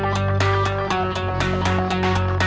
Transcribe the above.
สวัสดีครับ